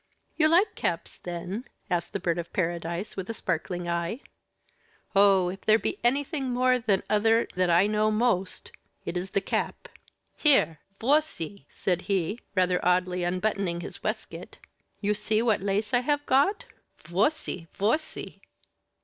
"You like caps, then?" asked the Bird of Paradise, with a sparkling eye. "Oh! if there be anything more than other that I know most, it is the cap. Here, voici!" said he, rather oddly unbuttoning his waistcoat, "you see what lace I have got. _Voici! voici!